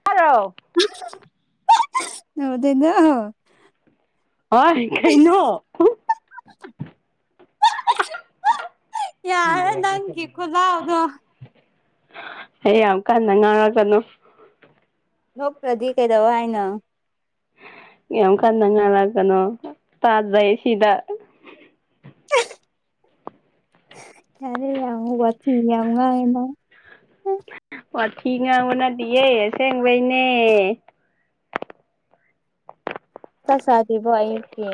[unintelligible] [unintelligible] ꯍꯣꯏ ꯀꯩꯅꯣ ꯌꯥꯔꯦ ꯅꯪꯒꯤ ꯈꯨꯂꯥꯎꯗꯣ ꯍꯦ ꯌꯥꯝ ꯀꯟꯅ ꯉꯥꯡꯔꯛꯒꯅꯨ ꯅꯣꯛꯇ꯭ꯔꯗꯤ ꯀꯩꯗꯧ ꯍꯥꯏꯅꯣ ꯌꯥꯝ ꯀꯟꯅ ꯉꯥꯏꯂꯛꯒꯅꯣ ꯇꯥꯖꯩ ꯁꯤꯗ ꯌꯥꯔꯦ ꯌꯥꯝ ꯋꯥꯊꯤ ꯌꯥꯝ ꯉꯥꯡꯉꯦ ꯅꯪ ꯋꯥꯊꯤ ꯉꯥꯡꯕ ꯅꯠꯇꯤꯌꯦ ꯁꯦꯡꯕꯩꯅꯦ ꯆꯥ ꯆꯥꯗ꯭ꯔꯤꯕꯣ ꯑꯌꯨꯛꯀꯤ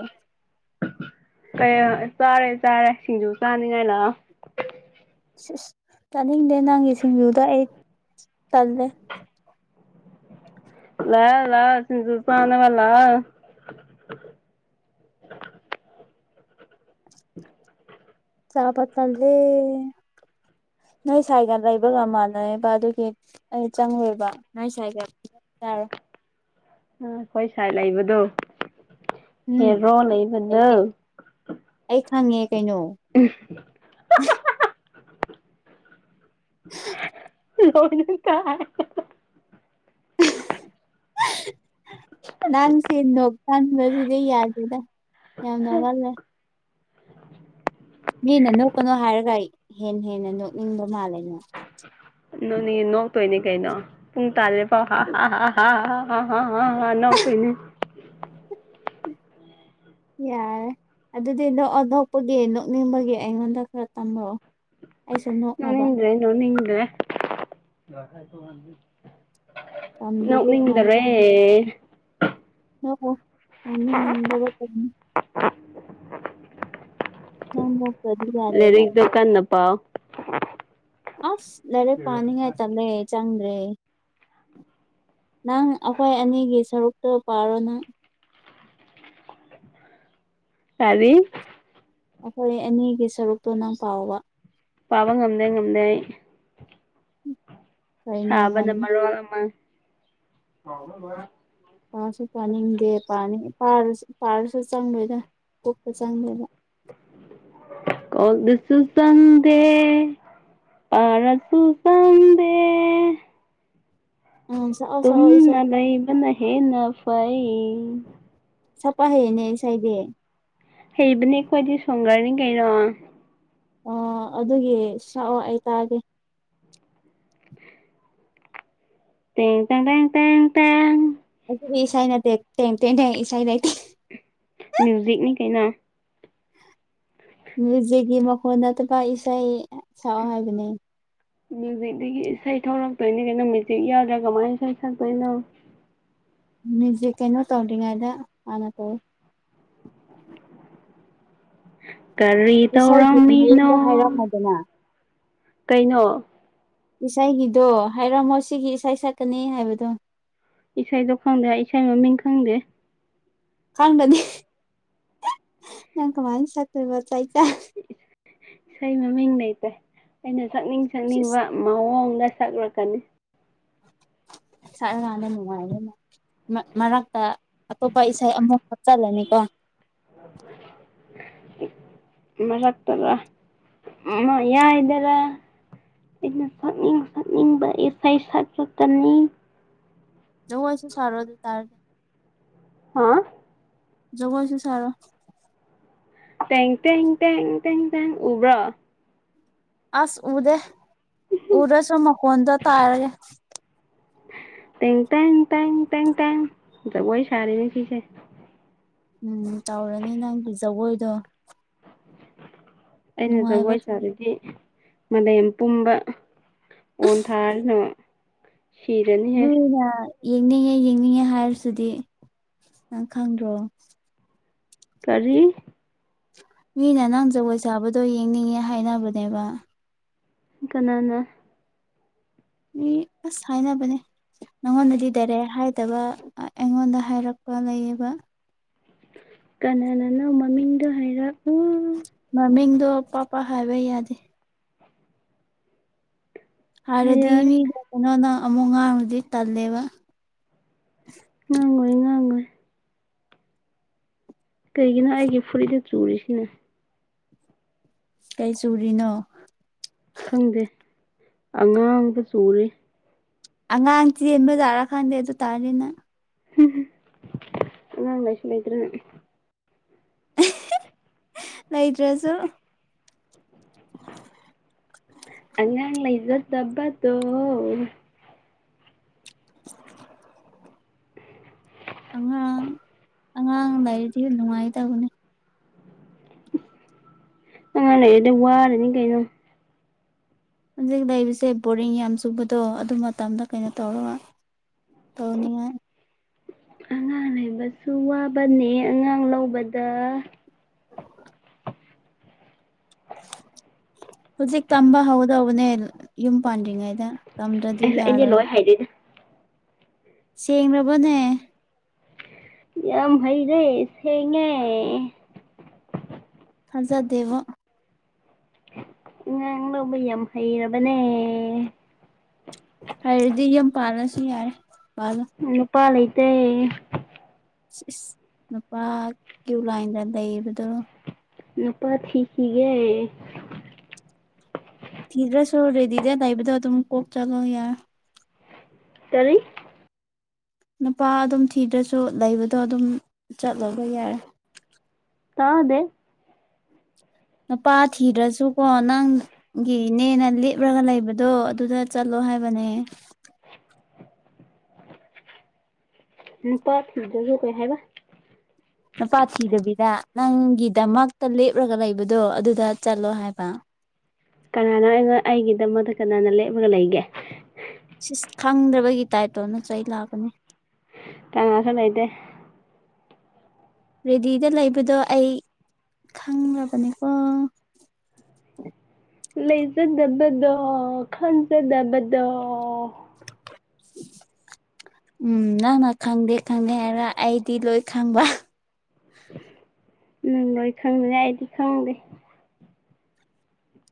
ꯀꯩ ꯆꯥꯔꯦ ꯆꯥꯔꯦ ꯁꯤꯡꯖꯨ ꯆꯥꯅꯤꯡꯉꯥꯏ ꯂꯥꯛꯑꯣ ꯑꯁ ꯆꯥꯅꯤꯡꯗꯦ ꯅꯪꯒꯤ ꯁꯤꯡꯖꯨꯗ ꯑꯩ ꯇꯜꯂꯦ ꯂꯥꯛꯑꯣ ꯂꯥꯛꯑꯣ ꯁꯤꯡꯖꯨ ꯆꯥꯅꯕ ꯂꯤꯛꯑꯣ [inaudible] ꯆꯥꯕ ꯀꯜꯗꯦ ꯅꯣꯏ ꯁꯥꯏꯒꯥ ꯂꯩꯕꯒ ꯃꯥꯟꯅꯩꯕ ꯑꯗꯨꯒꯤ ꯑꯩ ꯆꯪꯉꯣꯏꯕ ꯅꯣꯏ ꯁꯥꯏꯒꯥ ꯌꯥꯔꯣꯏ ꯎꯝ ꯈꯣꯏ ꯁꯥꯏ ꯂꯩꯕꯗꯨ ꯎꯝ ꯍꯦꯔꯣ ꯂꯩꯌꯦ ꯂꯩꯕꯗꯣ ꯑꯩ ꯈꯪꯉꯦ ꯀꯩꯅꯣ [unintelligible] [unintelligible] ꯅꯪꯁꯦ ꯅꯣꯛꯀꯟ ꯕꯁꯤꯗꯤ ꯌꯥꯗꯦꯗ ꯌꯥꯝꯅ ꯅꯣꯛꯍꯜꯂꯦ ꯃꯤꯅ ꯅꯣꯛꯀꯥꯅꯨ ꯍꯥꯏꯔꯒ ꯍꯦꯟꯅ ꯍꯦꯟꯅ ꯅꯣꯛꯅꯤꯡꯕ ꯃꯥꯜꯂꯦ ꯅꯪ ꯅꯣꯛꯅꯤꯡꯉꯦ ꯅꯣꯛꯇꯣꯏꯅꯦ ꯀꯩꯅꯣ ꯇꯜꯂꯦ ꯄꯣ ꯍꯥ ꯍꯥ ꯍꯥ ꯍꯥ ꯍꯥ ꯍꯥ ꯍꯥ ꯅ ꯅꯣꯛꯇꯣꯏꯅꯤ ꯌꯥꯔꯦ ꯑꯗꯨꯗꯤ ꯅꯣꯛꯑꯣ ꯅꯣꯛꯄꯒꯤ ꯅꯣꯛꯅꯤꯡꯕꯒꯤ ꯑꯩꯉꯣꯟꯗꯥ ꯈꯔꯥ ꯇꯝꯃꯣ ꯑꯩꯁꯨ ꯅꯣꯛꯅꯕ ꯅꯣꯛꯅꯤꯡꯗꯔꯦ [unintelligible] ꯇꯝꯗ꯭ꯔꯗꯤ ꯀꯃꯥꯏꯅ ꯅꯣꯛꯅꯤꯡꯗꯔꯦ ꯇꯝꯅꯤ ꯅꯣꯛꯑꯣ ꯅꯣꯛꯅꯤꯡꯗꯕꯥ ꯀꯔꯤ [unintelligible] [unintelligible] ꯌꯥꯗꯦꯕ ꯂꯥꯏꯔꯤꯛꯇꯣ ꯀꯥꯟꯅ ꯄꯥꯎ ꯑꯁ ꯂꯥꯏꯔꯤꯛ ꯄꯥꯅꯤꯉꯥꯏ ꯇꯜꯂꯦ ꯆꯪꯗꯔꯦ ꯅꯪ ꯑꯈꯣꯏ ꯑꯅꯤꯒꯤ ꯁꯔꯨꯛꯇꯣ ꯄꯥꯔꯣ ꯅꯪ ꯇꯥꯜꯂꯤ ꯑꯈꯣꯏ ꯑꯅꯤꯒꯤ ꯁꯔꯨꯛꯇꯣ ꯅꯪ ꯄꯥꯎꯕ ꯄꯥꯕ ꯉꯝꯗꯦ ꯉꯝꯗꯦ ꯑꯩ ꯀꯔꯤꯅꯣ ꯉꯝ ꯁꯥꯕꯅꯥ ꯃꯔꯣꯟ ꯑꯃꯥ ꯄꯥꯁꯨ ꯄꯥꯅꯤꯡꯗꯦ ꯄꯥꯔꯁꯨ ꯄꯥꯔꯁꯨ ꯆꯪꯔꯣꯏꯗꯥ ꯀꯣꯛꯇ ꯆꯪꯗꯔ꯭ꯦꯕꯥ ꯀꯣꯛꯇꯥꯁꯨ ꯆꯪꯗꯦ ꯄꯥꯔꯁꯨ ꯆꯪꯗꯦ ꯑꯁ ꯇꯨꯝꯅꯥ ꯂꯩꯕꯅ ꯍꯦꯟꯅꯥ ꯐꯩ ꯁꯛꯄꯥ ꯍꯩꯌꯦꯅꯦ ꯏꯁꯩꯗꯤ ꯍꯩꯕꯅꯦ ꯑꯈꯣꯏꯗꯤ ꯁꯣꯡꯒ꯭ꯔꯅꯤ ꯀꯩꯅꯣ ꯑꯣ ꯑꯗꯨꯒꯤ ꯁꯛꯑꯣ ꯑꯩ ꯇꯥꯒꯦ ꯇꯦꯟ ꯇꯔꯦꯡ ꯇꯦꯡ ꯇꯦꯡ ꯇꯦꯡ ꯑꯗꯨꯗꯤ ꯏꯁꯩ ꯅꯠꯇꯦ ꯇꯦꯡ ꯇꯦꯡ ꯇꯦꯟ ꯏꯁꯩ ꯂꯩꯇꯦ ꯃ꯭ꯌꯨꯖꯤꯛꯅꯤ ꯀꯩꯅꯣ ꯃ꯭ꯌꯨꯖꯤꯛꯀꯤ ꯃꯈꯣꯟ ꯅꯠꯇꯕ ꯏꯁꯩ ꯁꯛꯑꯣ ꯍꯥꯏꯕꯅꯦ ꯃ꯭ꯌꯨꯖꯤꯛꯇꯥꯒꯤ ꯏꯁꯩ ꯊꯣꯛꯂꯛꯇꯣꯏꯅꯤ ꯀꯩꯅꯣ ꯃ꯭ꯌꯨꯖꯤꯛ ꯌꯥꯎꯗ꯭ꯔꯥ ꯀꯃꯥꯏ ꯏꯁꯩ ꯁꯛꯇꯣꯏꯅꯣ ꯃ꯭ꯌꯨꯖꯤꯛ ꯀꯩꯅꯣ ꯇꯧꯗꯔꯤꯉꯩꯗꯥ ꯍꯥꯟꯅꯥ ꯇꯧ ꯀꯔꯤ ꯏꯁꯩꯒꯤ ꯇꯧꯔꯝꯃꯤꯅꯣ ꯃꯌꯦꯛꯇꯣ [unintelligible] ꯀꯩꯅꯣ ꯏꯁꯩꯒꯤꯗꯣ ꯍꯥꯏꯔꯝꯃꯣ ꯁꯤꯒꯤ ꯏꯁꯩ ꯁꯛꯀꯥꯅꯤ ꯍꯥꯏꯕꯗꯣ ꯏꯁꯩꯗꯣ ꯈꯪꯗꯦ ꯏꯁꯩ ꯃꯃꯤꯡ ꯈꯪꯗꯦ ꯈꯪꯗꯥꯗꯤ ꯅꯪ ꯀꯃꯥꯏꯅ ꯁꯛꯇꯣꯏꯕ ꯆꯩꯆꯥ ꯏꯁꯩ ꯃꯥꯃꯤꯡ ꯂꯩꯇꯦ ꯑꯩꯅ ꯁꯛꯅꯤꯡ ꯁꯤꯁ ꯁꯛꯅꯤꯡꯕ ꯃꯑꯣꯡꯗꯥ ꯁꯛꯂꯛꯀꯥꯅꯤ ꯁꯛꯂꯥ ꯀꯥꯟꯗꯥ ꯅꯨꯡꯉꯥꯏꯒꯅꯤ ꯃꯔꯛꯇꯥ ꯑꯇꯣꯞꯄꯥ ꯏꯁꯩ ꯑꯃꯨꯛ ꯍꯥꯞꯆꯜꯂꯅꯤ ꯀꯣ [unintelligible] ꯃꯔꯛꯇꯔꯥ ꯃꯌꯥꯏꯗꯔꯥ ꯑꯩꯅ ꯁꯛꯅꯤꯡ ꯁꯛꯅꯤꯡꯕ ꯏꯁꯩ ꯁꯛꯂꯛꯀꯅꯤ ꯖꯒꯣꯢꯁꯨ ꯁꯔꯣ ꯑꯗꯨ ꯇꯔꯥꯗꯤ ꯍꯥꯥ..... ꯖꯒꯣꯢꯁꯨ ꯁꯥꯔꯣ ꯇꯦꯡ ꯇꯦꯡ ꯇꯦꯡ ꯇꯦꯡꯦ ꯇꯦꯡ ꯎꯕ꯭ꯔꯣ ꯑꯁ ꯎꯗꯦ ꯎꯗꯔꯥꯁꯨ ꯃꯈꯣꯟꯗꯣ ꯇꯥꯔꯒꯦ ꯇꯦꯡ ꯇꯦꯡ ꯇꯦꯡ ꯇꯦꯡ ꯇꯦꯡ ꯖꯒꯣꯏ ꯁꯔꯤꯅꯤ ꯁꯤꯁꯦ ꯎꯝ ꯇꯧꯔꯅꯤ ꯅꯪꯒꯤ ꯖꯒꯣꯏꯗꯣ ꯑꯩꯅ ꯅꯨꯡꯉꯥꯏꯕ ꯖꯒꯣꯏ ꯁꯥꯔꯗꯤ ꯃꯥꯂꯦꯝ ꯄꯨꯝꯕ ꯑꯣꯟ ꯊꯥꯔꯅꯥ ꯃꯤꯅ ꯌꯦꯡꯅꯤꯡꯉꯦ ꯌꯦꯡꯅꯤꯡꯉꯦ ꯍꯥꯏꯔꯤꯁꯤꯗꯤ ꯅꯪ ꯈꯪꯗ꯭ꯔꯣ ꯀꯔꯤ ꯃꯤꯅ ꯅꯪ ꯖꯒꯣꯏ ꯁꯥꯕꯗꯣ ꯌꯦꯡꯅꯤꯡꯉꯦ ꯍꯥꯏꯅꯕꯅꯦꯕ ꯀꯅꯥꯅ ꯃꯤ ꯑꯁ ꯍꯥꯏꯅꯕꯅꯦ ꯅꯪꯉꯣꯟꯗꯗꯤ ꯗꯥꯏꯔꯦꯛ ꯍꯥꯏꯗꯕ ꯑꯩꯉꯣꯟꯗ ꯍꯥꯏꯔꯛꯄ ꯂꯩꯌꯦꯕ ꯀꯅꯥꯅꯅꯣ ꯃꯃꯤꯡꯗꯣ ꯍꯥꯏꯔꯣ ꯃꯃꯤꯡꯗꯣ ꯄꯥꯛ ꯄꯥꯛ ꯍꯥꯏꯕ ꯌꯥꯗꯦ ꯍꯥꯏꯔꯗꯤ ꯌꯥꯏ ꯃꯤꯗꯨ ꯀꯩꯅꯣ ꯅꯪ ꯑꯃꯨꯛ ꯉꯥꯡꯔꯗꯤ ꯇꯜꯂꯦꯕ ꯉꯥꯡꯉꯣꯏ ꯉꯥꯡꯉꯣꯏ ꯀꯩꯒꯤꯅꯣ ꯑꯩꯒꯤ ꯐꯨꯔꯤꯠꯗ ꯆꯨꯔꯤꯁꯤꯅꯥ ꯀꯩ ꯆꯨꯔꯤꯅꯣ ꯈꯪꯗꯦ ꯑꯉꯥꯡꯕ ꯆꯨꯔꯦ ꯑꯉꯥꯡ ꯆꯦꯟꯕ ꯖꯠꯂꯥ ꯈꯪꯗꯦ ꯑꯗꯨꯇꯥꯔꯗꯤ ꯅꯪ ꯍꯤꯍꯤ ꯑꯉꯥꯡ ꯂꯩꯁꯨ ꯂꯩꯇ꯭ꯔꯥꯒ ꯑꯦꯍꯦ ꯂꯩꯇ꯭ꯔꯁꯨ [inaudible] ꯑꯉꯥꯡ ꯂꯩꯖꯥꯗꯕꯗꯣ ꯑꯉꯥꯡ ꯑꯉꯥꯡ ꯂꯩꯔꯇꯗꯤ ꯅꯨꯡꯉꯥꯏꯇꯗꯕꯅꯦ ꯑꯉꯥꯟ ꯂꯩꯔꯗꯤ ꯋꯥꯔꯅꯤ ꯀꯩꯅꯣ ꯍꯧꯖꯤꯛ ꯂꯩꯕꯁꯦ ꯕꯣꯔꯤꯡ ꯌꯥꯝ ꯆꯨꯕꯗꯣ ꯑꯗꯨ ꯃꯇꯝꯗ ꯀꯩꯅꯣ ꯇꯧꯔꯒ ꯇꯧꯅꯤꯉꯥꯢ ꯑꯉꯥꯡ ꯂꯩꯕꯁꯨ ꯋꯥꯕꯅꯦ ꯑꯉꯥꯡ ꯂꯧꯕꯗ [inaudible] ꯍꯧꯖꯤꯛ ꯇꯝꯕ ꯍꯧꯗꯧꯕꯅꯦ ꯌꯨꯝ ꯄꯥꯟꯗ꯭ꯔꯤꯉꯩꯗ ꯇꯝꯗ꯭ꯔꯗꯤ ꯑꯩꯁ ꯑꯩꯗꯤ ꯌꯥꯔꯣꯏꯕ ꯂꯣꯏ ꯍꯩꯔꯦꯗ ꯁꯦꯡꯂꯕꯅꯦ ꯌꯥꯝ ꯍꯩꯔꯦ ꯁꯦꯡꯉꯦ ꯊꯥꯖꯗꯦꯕꯣ ꯑꯉꯥꯡ ꯂꯧꯕ ꯌꯥꯝ ꯍꯩꯔꯕꯅꯦ ꯍꯩꯔꯗꯤ ꯌꯨꯝ ꯄꯥꯜꯂꯁꯨ ꯌꯥꯔꯦ ꯄꯥꯜꯂꯣ ꯅꯨꯄꯥ ꯂꯩꯩꯇꯦ ꯁꯤꯁ ꯅꯨꯄꯥ ꯀ꯭ꯌꯨ ꯂꯥꯏꯟꯗ ꯂꯩꯕꯗꯣ ꯅꯨꯄꯥ ꯊꯤꯈꯤꯒꯦ ꯊꯤꯗ꯭ꯔꯥꯁꯨ ꯔꯤꯗꯤꯗ ꯂꯩꯕꯗꯣ ꯑꯗꯨꯛ ꯀꯣꯛ ꯆꯠꯂꯣ ꯌꯥꯢ ꯀꯔꯤ ꯅꯨꯄꯥ ꯑꯗꯨꯝ ꯊꯤꯗ꯭ꯔꯁꯨ ꯂꯩꯕꯗꯣ ꯑꯗꯨꯝ ꯆꯠꯂꯣꯕ ꯌꯥꯔꯦ ꯇꯥꯗꯦ ꯅꯨꯄꯥ ꯊꯤꯗ꯭ꯔꯁꯨꯀꯣ ꯅꯪ ꯒꯤꯅꯦꯅ ꯂꯦꯞꯂꯒ ꯂꯩꯕꯗꯣ ꯑꯗꯨꯗ ꯆꯠꯂꯣ ꯍꯥꯏꯕꯅꯦ ꯅꯨꯄꯥ ꯊꯤꯗ꯭ꯔꯥꯁꯨ ꯀꯩ ꯍꯥꯏꯕ ꯅꯨꯄꯥ ꯊꯤꯗꯕꯤꯗ ꯅꯪꯒꯤꯗꯃꯛꯇ ꯂꯦꯞꯂꯒ ꯂꯩꯕꯗꯣ ꯑꯗꯨꯗ ꯆꯠꯂꯣ ꯍꯥꯏꯕ ꯀꯅꯥꯅꯣ ꯑꯩꯉꯣꯟ ꯑꯩꯒꯤꯗꯃꯛꯇ ꯀꯅꯥꯅ ꯂꯦꯞꯔꯒ ꯂꯩꯒꯦ ꯁꯤꯁ ꯈꯪꯗꯕꯒꯤ ꯇꯥꯏꯞꯇꯣ ꯅ ꯆꯩ ꯂꯥꯛꯀꯅꯤ ꯀꯅꯥꯁꯨ ꯂꯩꯇꯦ ꯔꯦꯗꯤꯗ ꯂꯩꯕꯗꯣ ꯑꯩ ꯈꯪꯂꯕꯅꯦꯀꯣ ꯂꯩꯖꯗꯕꯗꯣ ꯈꯟꯖꯗꯕꯗꯣ [inaudible] ꯎꯝ ꯅꯪꯅ ꯈꯪꯗꯦ ꯈꯪꯗꯦ ꯍꯥꯏꯔ ꯑꯩꯗꯤ ꯂꯣꯏ ꯈꯪꯕ ꯅꯪ ꯂꯣꯏ ꯈꯪꯔꯦ ꯑꯩꯗꯤ ꯈꯪꯗꯦ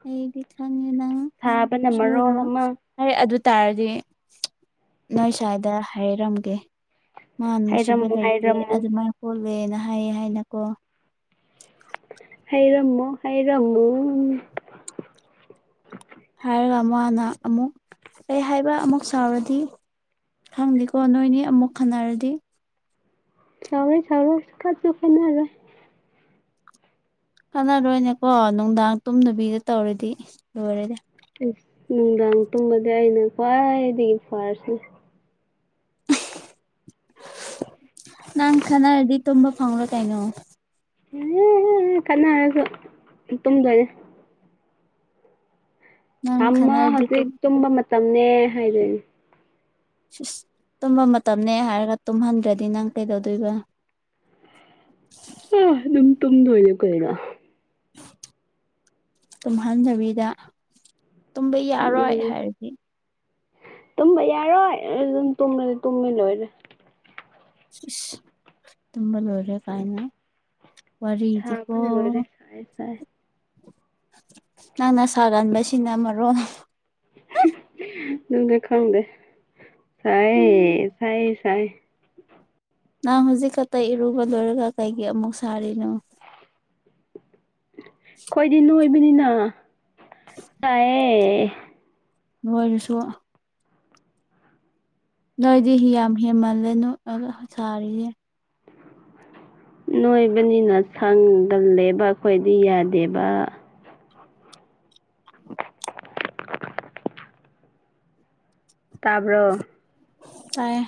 ꯑꯩꯗꯤ ꯈꯪꯉꯗ ꯁꯥꯕꯅ ꯃꯔꯣꯜ ꯁꯣꯏꯔꯔꯣꯏ ꯑꯃ ꯍꯦ ꯑꯗꯨ ꯇꯥꯔꯗꯤ ꯅꯣꯏ ꯁꯥꯏꯗ ꯍꯥꯏꯔꯝꯒꯦ ꯃꯥ ꯅꯨꯡꯁꯤꯕ ꯍꯥꯏꯔꯝꯃꯨ ꯂꯩꯇꯦ ꯍꯥꯏꯔꯝꯃꯨ ꯑꯗꯨꯃꯥꯏꯅ ꯍꯣꯠꯂꯦꯅ ꯍꯥꯏꯌꯦ ꯍꯥꯏꯅꯀꯣ ꯍꯩꯔꯝꯃꯣ ꯍꯩꯔꯝꯃꯣ ꯍꯥꯏꯔꯒ ꯃꯥꯅ ꯑꯃꯨꯛ ꯀꯩ ꯍꯥꯏꯕ ꯑꯃꯨꯛ ꯁꯥꯎꯔꯗꯤ ꯈꯪꯗꯦꯀꯣ ꯅꯣꯏꯅꯤ ꯑꯃꯨꯛ ꯈꯠꯅꯔꯗꯤ ꯁꯥꯎꯔꯣꯏ ꯁꯥꯎꯔꯣꯏ ꯈꯠꯁꯨ ꯈꯠꯅꯔꯣꯏ ꯀꯥꯟꯅꯔꯣꯏꯅꯦꯀꯣ ꯅꯨꯡꯗꯥꯡ ꯇꯨꯝꯗꯕꯤꯗ ꯇꯧꯔꯗꯤ ꯂꯣꯏꯔꯦꯅꯦ ꯏꯁ ꯅꯨꯡꯗꯥꯡ ꯇꯨꯝꯕꯗ ꯑꯩꯅ ꯈ꯭ꯋꯥꯏꯗꯒꯤ ꯐꯔ꯭ꯁꯅꯦ ꯅꯪ ꯈꯠꯅꯔꯗꯤ ꯇꯨꯝꯕ ꯐꯪꯂꯣꯏ ꯀꯩꯅꯣ ꯀꯅꯥꯔꯁꯨ ꯇꯨꯝꯗꯣꯏꯅꯦ ꯅꯪ ꯊꯝꯃꯣ ꯈꯟꯅꯔꯗꯤ ꯇꯨꯝ ꯍꯧꯖꯤꯛ ꯇꯨꯝꯕ ꯃꯇꯝꯅꯦ ꯍꯥꯏꯗꯣꯏꯅꯦ ꯁꯤ ꯏꯁ ꯇꯨꯝꯕ ꯃꯇꯝꯅꯦ ꯍꯥꯏꯔꯒ ꯇꯨꯝꯍꯟꯗ꯭ꯔꯗꯤ ꯅꯪ ꯀꯩꯗꯧꯗꯣꯏꯕ ꯑ ꯑꯗꯨꯝ ꯇꯝꯗꯣꯏꯅꯦ ꯀꯩꯅꯣ ꯇꯨꯝꯍꯟꯗꯕꯤꯗ ꯇꯨꯝꯕ ꯌꯥꯔꯣꯏ ꯎꯝ ꯍꯥꯏꯔꯗꯤ ꯇꯨꯝꯕ ꯌꯥꯔꯣꯏ ꯑꯗꯨꯝ ꯇꯨꯝꯃꯦ ꯇꯨꯝꯃꯣ ꯂꯣꯏꯔꯦ ꯇꯕꯥ ꯂꯧꯏꯔꯦ ꯀꯥꯏꯅ ꯋꯥꯔꯤꯗꯤꯀꯣ ꯁꯥꯕꯅ ꯂꯣꯏꯔꯦ ꯁꯥꯏ ꯁꯥꯏ ꯅꯪꯅ ꯁꯥꯒꯟꯕꯁꯤꯅ ꯃꯔꯣꯟ ꯅꯪꯅ ꯈꯪꯗꯦ ꯎꯝ ꯁꯥꯏꯌꯦ ꯁꯥꯏꯌꯦ ꯁꯥꯏ ꯅꯪ ꯍꯧꯖꯤꯛꯈꯠꯇ ꯏꯔꯨꯕ ꯂꯣꯏꯔꯒ ꯀꯩꯒꯤ ꯑꯃꯨꯛ ꯁꯥꯔꯤꯅꯣ ꯈꯣꯏꯗꯤ ꯅꯣꯏꯕꯅꯤꯅ ꯆꯥꯏꯌꯦ ꯅꯣꯏꯔꯁꯨ ꯅꯣꯏꯗꯤ ꯍꯤ ꯌꯥꯝ ꯍꯦꯟꯃꯜꯂꯦ ꯅꯣꯛꯑꯒ ꯁꯥꯔꯤꯌꯦ ꯅꯣꯏꯕꯅꯤꯅ ꯁꯪꯒꯜꯂꯦꯕ ꯑꯩꯈꯣꯏꯗꯤ ꯌꯥꯗꯦꯕ ꯇꯥꯕ꯭ꯔꯣ ꯇꯥꯏꯌꯦ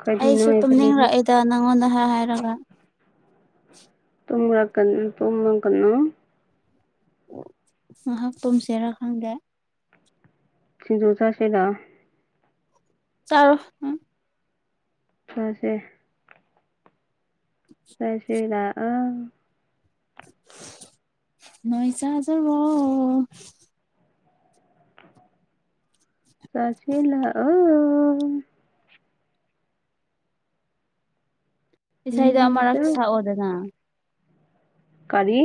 ꯑꯩꯈꯣꯏꯗꯤ ꯑꯩꯁꯨ ꯅꯣꯏꯕꯅꯤꯅ ꯇꯨꯝꯅꯤꯡꯔꯛꯑꯦꯗ ꯅꯪꯉꯣꯟꯗ ꯍꯥꯏ ꯍꯥꯏꯔꯒ ꯇꯨꯝꯔꯛꯀꯅꯨ ꯇꯨꯝꯃꯒꯅꯨ ꯉꯥꯍꯥꯛ ꯇꯨꯝꯁꯤꯔꯥ ꯈꯪꯗꯦ ꯁꯤꯡꯖꯨ ꯆꯥꯁꯤ ꯂꯥꯛꯑꯣ ꯆꯔꯣ ꯅꯪ ꯆꯥꯁꯦ ꯆꯥꯁꯤ ꯂꯥꯛꯑꯣ ꯅꯣꯏ ꯆꯥꯖꯔꯣ ꯆꯥꯁꯤ ꯂꯥꯛꯑꯣ ꯏꯁꯩꯗꯣ ꯁꯤꯡꯖꯨ ꯑꯃꯨꯔꯛ ꯆꯥ ꯁꯛꯑꯣꯗꯅ ꯀꯔꯤ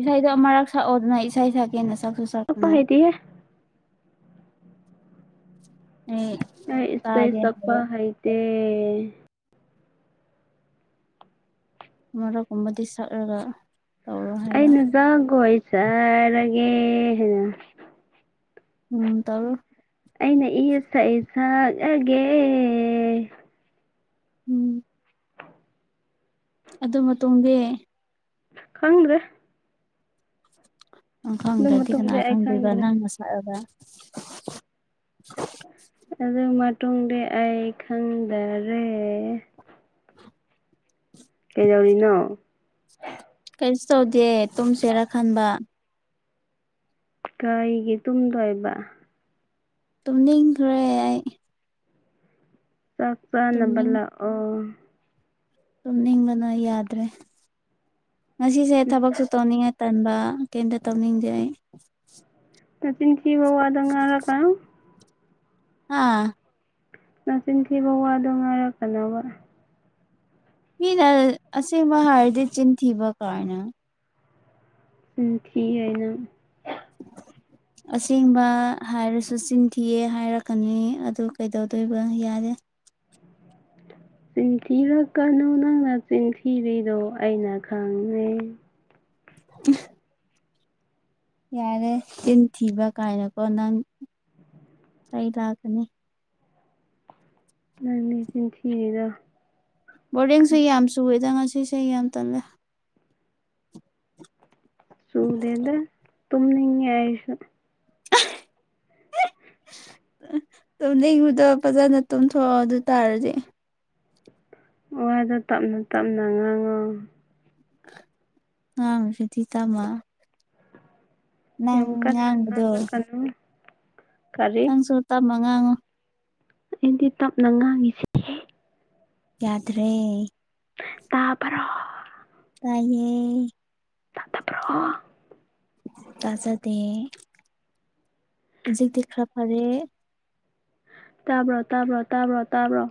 ꯏꯁꯩꯗꯣ ꯑꯃꯔꯛ ꯁꯛꯑꯣꯗꯅ ꯏꯁꯩ ꯁꯛꯀꯦꯅ ꯁꯛꯁꯨ ꯁꯛꯄ ꯁꯛꯇꯅ ꯍꯩꯇꯦꯍꯦ ꯍꯩ ꯑꯩ ꯏꯁꯩ ꯁꯛꯄ ꯍꯩꯇꯦ ꯃꯔꯛ ꯀꯨꯝꯕꯗꯤ ꯁꯛꯔꯒ ꯇꯧꯔꯣ ꯍꯥꯏꯕ ꯑꯩꯅ ꯖꯒꯣꯏ ꯁꯥꯔꯒꯦ ꯍꯥꯏꯅ ꯎꯝ ꯇꯧꯔꯣ ꯑꯩꯅ ꯏꯁꯩ ꯁꯛꯑꯒꯦ ꯎꯝ ꯑꯗꯨ ꯃꯇꯨꯡꯗꯤ ꯈꯪꯗ꯭ꯔꯦ ꯅꯪ ꯑꯗꯨ ꯈꯪꯗ꯭ꯔꯗꯤ ꯃꯇꯨꯡꯗꯤ ꯀꯅꯥ ꯑꯩ ꯈꯪꯗꯣꯏꯕ ꯈꯪꯗ꯭ꯔꯦ ꯅꯪꯅ ꯁꯛꯑꯒ ꯑꯗꯨ ꯃꯇꯨꯡꯗꯤ ꯑꯩ ꯈꯪꯗꯔꯦ ꯀꯩꯗꯧꯔꯤꯅꯣ ꯀꯩꯁꯨ ꯇꯧꯗꯦ ꯇꯨꯝꯁꯤꯔꯥ ꯈꯟꯕ ꯀꯥꯏꯒꯤ ꯇꯨꯝꯗꯣꯏꯕ ꯇꯨꯝꯅꯤꯡꯈ꯭ꯔꯦ ꯑꯩ ꯆꯥꯛ ꯆꯥꯅꯕ ꯇꯨꯝꯅꯤꯡ ꯂꯥꯛꯑꯣ ꯇꯨꯝꯅꯤꯡꯕꯅ ꯌꯥꯗ꯭ꯔꯦ ꯉꯁꯤꯁꯦ ꯊꯕꯛꯁꯨ ꯇꯣꯟꯅꯤꯡꯉꯦ ꯇꯟꯕ ꯀꯩꯝꯇ ꯇꯧꯅꯤꯡꯗꯦ ꯑꯩ ꯅꯆꯤꯟ ꯊꯤꯕ ꯋꯥꯗꯣ ꯉꯥꯡꯂꯛꯀꯥꯅꯨ ꯍꯥꯥ ꯅꯆꯤꯟꯊꯤꯕ ꯋꯥꯗꯣ ꯉꯥꯡꯔꯛꯀꯅꯣꯕ ꯃꯤꯅ ꯑꯁꯦꯡꯕ ꯍꯥꯏꯔꯗꯤ ꯆꯤꯟ ꯊꯤꯕ ꯀꯥꯏꯅ ꯆꯤꯟ ꯊꯤꯔꯦ ꯅꯪ [inaudible] ꯑꯁꯦꯡꯕ ꯍꯥꯏꯔꯁꯨ ꯆꯤꯟ ꯊꯤꯌꯦ ꯍꯥꯏꯔꯛꯀꯅꯤ ꯑꯗꯨ ꯀꯩꯗꯧꯗꯣꯏꯕ ꯌꯥꯔꯦ ꯆꯤꯟ ꯊꯤꯔꯛꯀꯅꯨ ꯅꯪꯅ ꯆꯤꯟꯊꯤꯔꯤꯗꯣ ꯑꯩꯅ ꯈꯪꯉꯦ [unintelligible] ꯌꯥꯔꯦ ꯆꯤꯟ ꯊꯤꯕ ꯀꯥꯏꯅꯀꯣ ꯅꯪ ꯆꯩ ꯂꯥꯛꯀꯅꯤ ꯅꯪꯅꯤ ꯆꯤꯟ ꯊꯤꯔꯤꯗꯣ ꯕꯣꯔꯤꯡꯁꯨ ꯌꯥꯝ ꯆꯨꯑꯦꯗ ꯉꯁꯤꯁꯦ ꯌꯥꯝ ꯇꯜꯂꯦ ꯆꯨꯗꯦꯗ ꯇꯨꯝꯅꯤꯡꯉꯦ ꯑꯩꯁꯨ ꯇꯨꯝꯅꯤꯡꯕꯨꯗꯣ ꯐꯖꯅ ꯇꯨꯝꯊꯣꯛꯑꯣ ꯑꯗꯨ ꯇꯥꯔꯗꯤ ꯋꯥꯗꯣ ꯇꯞꯅ ꯇꯞꯅ ꯉꯥꯡꯉꯣ ꯉꯥꯡꯉꯤꯁꯤꯗꯤ ꯇꯝꯃꯥ ꯌꯥꯝ ꯀꯟꯅ ꯉꯥꯡꯕꯗꯣ ꯉꯥꯡꯂꯛꯀꯅꯨ ꯀꯔꯤ ꯅꯪꯁꯨ ꯇꯞꯅ ꯉꯥꯡꯉꯣ ꯑꯩꯗꯤ ꯇꯞꯅ ꯉꯥꯡꯉꯤꯁꯤ ꯌꯥꯗ꯭ꯔꯦ ꯇꯥꯕꯔꯣ ꯇꯥꯏꯌꯦ [unintelligible] ꯇꯥꯖꯗꯦ ꯍꯧꯖꯤꯛ ꯇꯤ ꯈ꯭ꯔꯥ ꯐꯔꯦ ꯇꯥꯕ꯭ꯔꯣ ꯇꯕ꯭ꯔꯣ ꯇꯥꯕ꯭ꯔꯣ ꯇꯥꯕ꯭ꯔꯣ